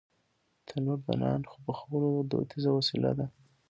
تنور د نان پخولو دودیزه وسیله ده